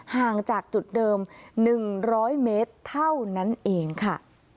ห่างจากจุดเดิม๑๐๐เมตรเท่านั้นเองค่ะ